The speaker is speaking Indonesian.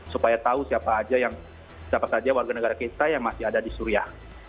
supaya tahu siapa saja warga negara kita yang masih ada di suriah